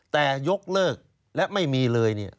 แต่ยกเลิกและไม่มีเลย